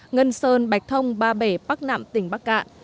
ngân sơn bạch thông ba bể bắc nạm tỉnh bắc cạn